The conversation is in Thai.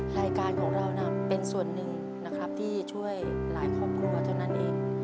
รายการของเราน่ะเป็นส่วนหนึ่งนะครับที่ช่วยหลายครอบครัวเท่านั้นเอง